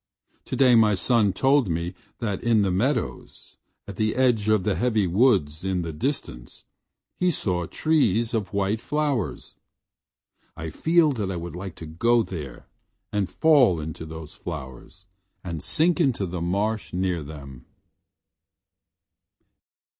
Today my son told me that in the meadows, at the edge of the heavy woods in the distance, he saw trees of white flowers. I feel that I would like to go there and fall into those flowers and sink into the marsh near them.